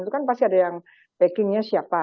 itu kan pasti ada yang backingnya siapa